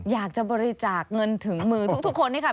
อยากจะบริจาคเงินถึงมือทุกคนนี่ค่ะ